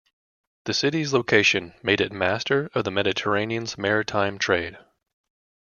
The city's location made it master of the Mediterranean's maritime trade.